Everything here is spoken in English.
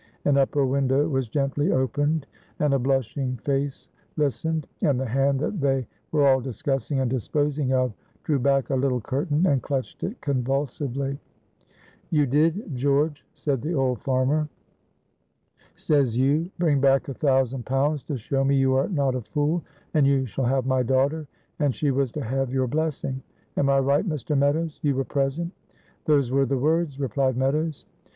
An upper window was gently opened, and a blushing face listened, and the hand that they were all discussing and disposing of drew back a little curtain, and clutched it convulsively. "You did, George," said the old farmer. "Says you, 'Bring back a thousand pounds to show me you are not a fool, and you shall have my daughter,' and she was to have your blessing. Am I right, Mr. Meadows? you were present." "Those were the words," replied Meadows.